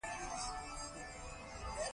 زما نیمګړتیاوې یو مجبوریت وبولي.